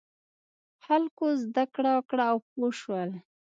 خلکو زده کړه وکړه او پوه شول.